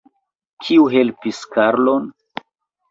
Kiu helpis Karlon?